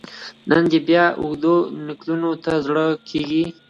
نن دي بیا اوږدو نکلونو ته زړه کیږي